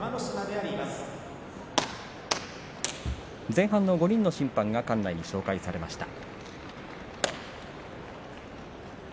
前半の５人の審判が館内に紹介されました。